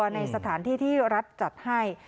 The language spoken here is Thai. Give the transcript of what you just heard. ในสถานที่ที่รัฐจัดให้